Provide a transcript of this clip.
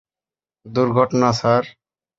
দূর্ঘটনা, স্যার!